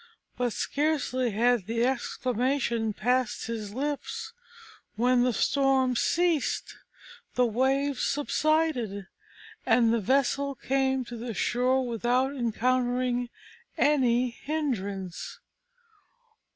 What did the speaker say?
But scarcely had the exclamation passed his lips when the storm ceased, the waves subsided, and the vessel came to the shore without encountering any hindrance.